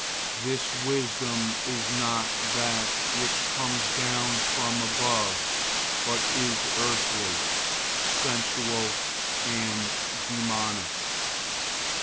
003:015 This wisdom is not that which comes down from above, but is earthly, sensual, and demonic.